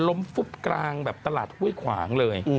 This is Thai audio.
ฟุบกลางแบบตลาดห้วยขวางเลย